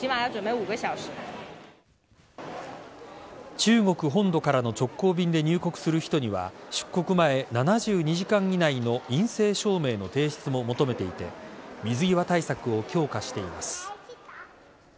中国本土からの直行便で入国する人には出国前７２時間以内の陰性証明の提出も求めていて水際対策を強化しています。